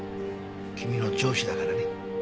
君の上司だからね。